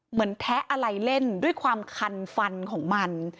แทะอะไรเล่นด้วยความคันฟันของมัน